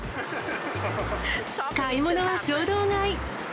買い物は衝動買い。